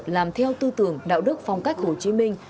làm theo tư tưởng đạo đức phong cách hồ chí minh